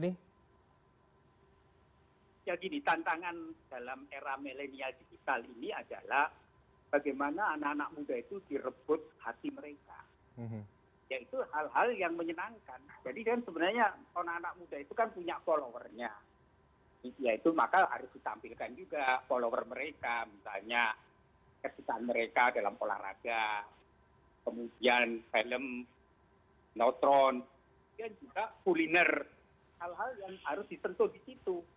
hal hal yang harus disentuh di situ